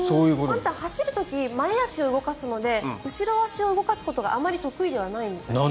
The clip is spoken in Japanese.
ワンちゃんは走る時に前足を動かすので後ろ足を動かすのがあまり得意ではないみたいです。